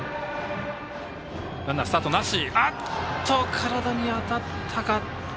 体に当たったか。